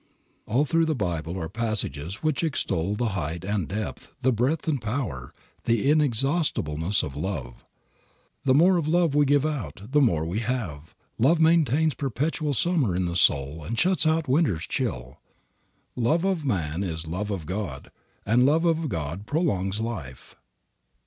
All through the Bible are passages which extol the height and depth, the breadth and power, the inexhaustibleness of love. The more of love we give out, the more we have. Love maintains perpetual summer in the soul and shuts out winter's chill. Love of man is love of God, and love of God prolongs life.